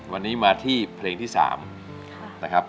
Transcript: วันนี้มาที่เพลงที่๓นะครับ